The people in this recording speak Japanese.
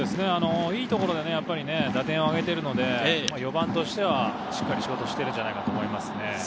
いいところで打点をあげているので、４番としてはしっかり仕事をしてるんじゃないかと思います。